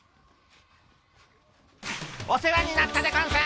お世話になったでゴンス！